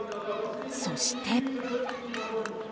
そして。